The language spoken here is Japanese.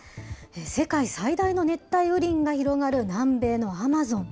世界最大の熱帯雨林が広がる南米のアマゾン。